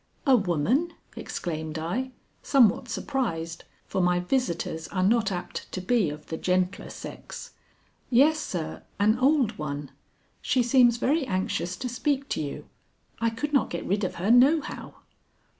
"A woman!" exclaimed I, somewhat surprised, for my visitors are not apt to be of the gentler sex. "Yes sir, an old one. She seems very anxious to speak to you. I could not get rid of her no how."